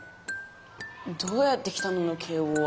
「どうやって来たの？」の敬語は。